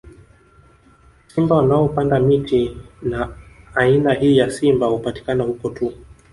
Simba wanaopanda miti na aina hii ya simba hupatikana huko tu